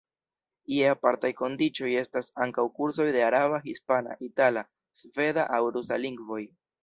Je apartaj kondiĉoj, estas ankaŭ kursoj de araba, hispana, itala, sveda aŭ rusa lingvoj.